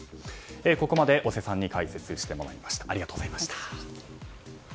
ここまで尾瀬さんに解説してもらいました。